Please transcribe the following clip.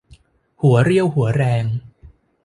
หัวเรี่ยวหัวแรง